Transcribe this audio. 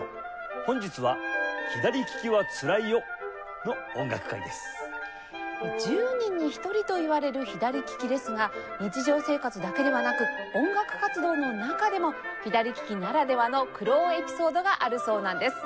本日は１０人に１人といわれる左ききですが日常生活だけではなく音楽活動の中でも左ききならではの苦労エピソードがあるそうなんです。